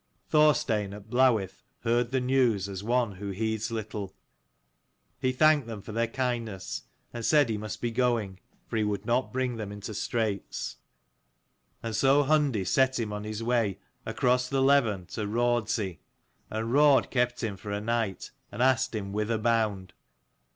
Thorstein at Blawith heard the news as one who heeds little. He thanked them for their kindness, and said he must be going, for he would not bring them into straits. And so 238 Hundi set him on his way across the Leven to Raud's ey, and Raud kept him for a night, and asked him whither bound.